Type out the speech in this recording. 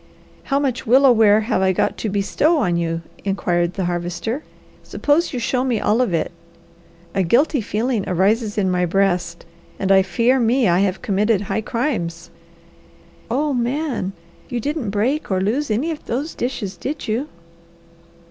"How much willow ware have I got to 'bestow' on you?" inquired the Harvester. "Suppose you show me all of it. A guilty feeling arises in my breast, and I fear me I have committed high crimes!" "Oh Man! You didn't break or lose any of those dishes, did you?"